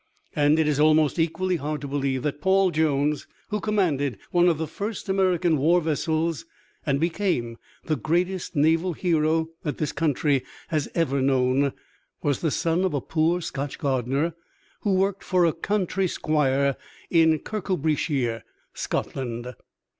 And it is almost equally hard to believe that Paul Jones, who commanded one of the first American war vessels, and became the greatest naval hero that this country has ever known, was the son of a poor, Scotch gardener, who worked for a country squire in Kirkcudbrightshire, Scotland.